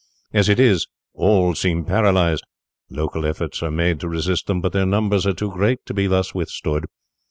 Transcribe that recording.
As it is, all seem paralysed. Local efforts are made to resist them; but their numbers are too great to be thus withstood.